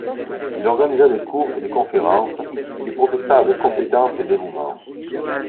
Il organisa des cours et des conférences, il y professa avec compétence et dévouement.